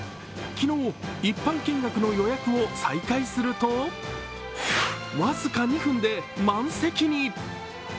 昨日、一般見学の予約を再開すると僅か２分で満席に。